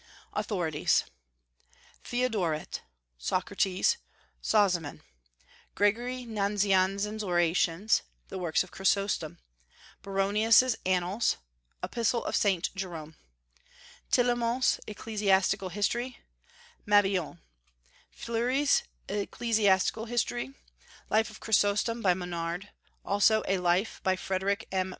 AUTHORITIES. Theodoret; Socrates; Sozomen; Gregory Nazianzen's Orations; the Works of Chrysostom; Baronius's Annals; Epistle of Saint Jerome; Tillemont's Ecclesiastical History; Mabillon; Fleury's Ecclesiastical History; Life of Chrysostom by Monard, also a Life, by Frederic M.